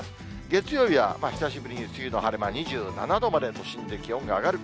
月曜日は久しぶりに梅雨の晴れ間、２７度まで都心で気温が上がる。